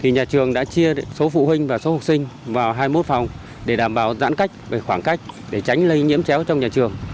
nhà trường đã chia số phụ huynh và số học sinh vào hai mươi một phòng để đảm bảo giãn cách về khoảng cách để tránh lây nhiễm chéo trong nhà trường